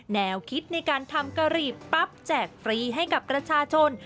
แนวคิดในการทำกะหรี่ปั๊บแจกฟรีให้กับประชาชน